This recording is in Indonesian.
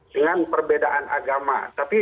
dengan perbedaan agama